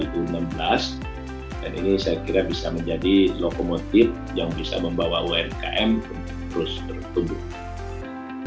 dan ini saya kira bisa menjadi lokomotif yang bisa membawa umkm terus bertumbuh